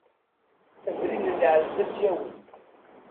Abrid n lɛezz ad t-yawi.